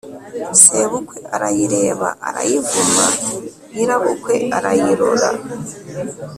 sebukwe arayireba arayivu ma/ nyirabukwe arayirora